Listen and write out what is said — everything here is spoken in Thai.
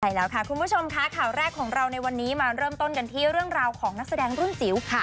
ใช่แล้วค่ะคุณผู้ชมค่ะข่าวแรกของเราในวันนี้มาเริ่มต้นกันที่เรื่องราวของนักแสดงรุ่นจิ๋ว